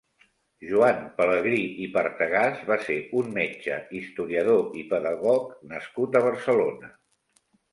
Joan Pelegrí i Partegàs va ser un metge, historiador i pedagog nascut a Barcelona.